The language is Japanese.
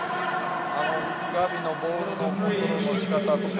ガヴィのボールのコントロールの仕方とか。